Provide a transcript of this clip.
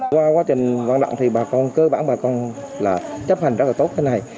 qua quá trình vận động cơ bản bà con chấp hành rất tốt thế này